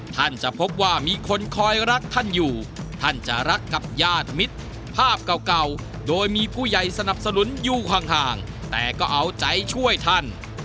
ท่านจะพบว่ามีคนคอยรักท่านอยู่ท่านจะรักกับญาติมิตรภาพเก่าโดยมีผู้ใหญ่สนับสนุนอยู่ห่างแต่ก็เอาใจช่วยท่าน